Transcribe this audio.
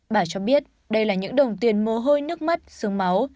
bà cho biết đây là những đồng tiền mô hôi nước mắt sướng máu